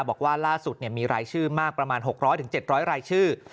บอกว่าล่าสุดมีรายชื่อมากประมาณ๖๐๐๗๐๐รายชื่อ